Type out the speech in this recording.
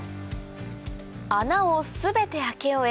穴を全て開け終え